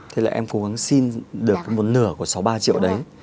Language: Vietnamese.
thế là em cố gắng xin được một nửa của sáu mươi ba triệu đấy